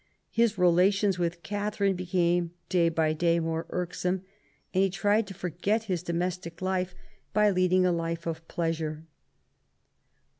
His rela tions with Katharine became day by day more irksome, and he tried to forget his domestic life by leading a. life of pleasure.